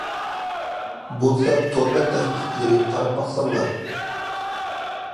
بولسا تور بەت تېخنىكلىرى قاراپ باقساڭلار.